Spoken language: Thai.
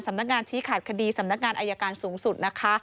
สำนักงานชี้ขาดคดีสำนักงานอายการสูงสุดนะคะ